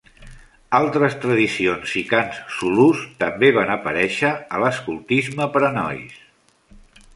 Altres tradicions i cants zulús també van aparèixer a l'escoltisme per a nois.